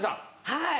はい。